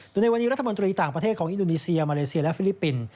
โดยในวันนี้รัฐมนตรีต่างประเทศของอินโดนีเซียมาเลเซียและฟิลิปปินส์